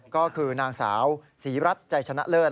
ก็คือนางสาวศรีรัฐใจชนะเลิศ